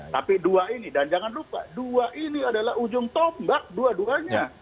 tapi dua ini dan jangan lupa dua ini adalah ujung tombak dua duanya